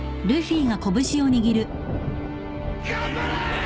頑張れ！